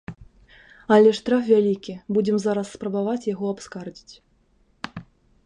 Але штраф вялікі, будзем зараз спрабаваць яго абскардзіць.